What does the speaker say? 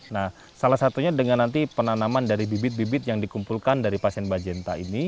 nah salah satunya dengan nanti penanaman dari bibit bibit yang dikumpulkan dari pasien mbak jenta ini